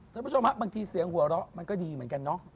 คุณผู้ชมฮะบางทีเสียงหัวเราะมันก็ดีเหมือนกันเนาะ